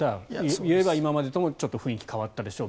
言えば今までとも雰囲気が変わったでしょう